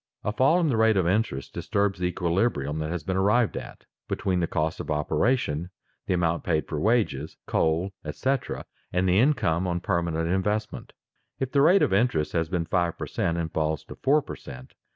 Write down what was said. A fall in the rate of interest disturbs the equilibrium that has been arrived at, between the cost of operation, the amount paid for wages, coal, etc., and the income on permanent investment. If the rate of interest has been five per cent. and falls to four per cent.